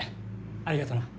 ありがとな。